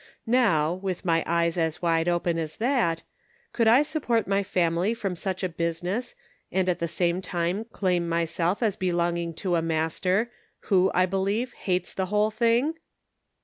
Now, with my eyes as wide open as that, could I support my family from such a business, and at the same time claim myself as belonging to a master, who, I believe, hates the whole thing?"